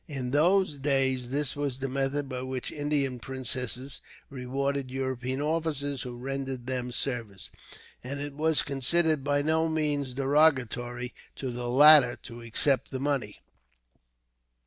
In those days, this was the method by which Indian princes rewarded European officers who rendered them service, and it was considered by no means derogatory to the latter to accept the money.